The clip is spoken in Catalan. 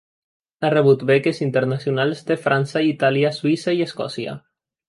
Ha rebut beques internacionals de França, Itàlia, Suïssa i Escòcia.